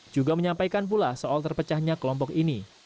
juga menyampaikan pula soal terpecahnya kelompok ini